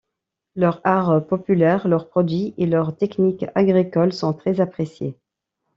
Leur art populaire, leurs produits et leurs techniques agricoles sont très appréciés.